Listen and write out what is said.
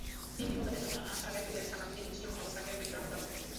সিম নিবন্ধনের জন্য আসা ব্যক্তিদের সামাল দিতে হিমশিম অবস্থা কেন্দ্রের গ্রাহক ব্যবস্থাপকদের।